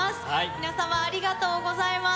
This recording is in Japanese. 皆様、ありがとうございます。